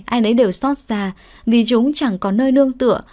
ai nấy đều xót xa vì chúng chẳng có nơi nương tựa